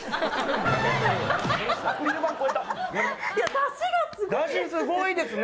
だしがすごいですね！